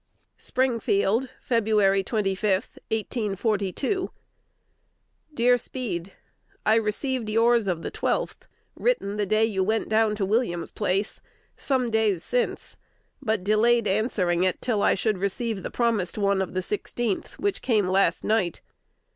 Springfield, Feb. 25, 1842. Dear Speed, I received yours of the 12th, written the day you went down to William's place, some days since, but delayed answering it till I should receive the promised one of the 16th, which came last night.